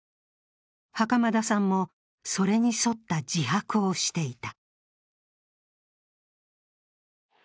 袴田さんも、それに沿った自白をしていた。